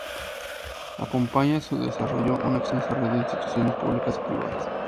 Acompaña su desarrollo una extensa red de instituciones públicas y privadas.